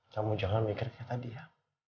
kamu jangan mikir kayak tadi ya